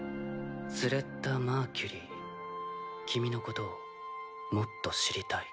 スレッタ・マーキュリー君のことをもっと知りたい。